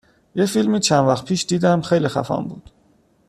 یه فیلمی چند وقت پیش دیدم، خیلی خفن بود